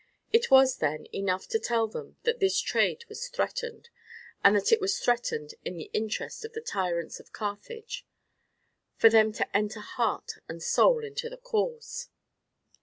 It was, then, enough to tell them that this trade was threatened, and that it was threatened in the interest of the tyrants of Carthage, for them to enter heart and soul into the cause.